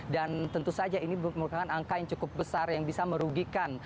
dan tentu saja ini merupakan angka yang cukup besar yang bisa merugikan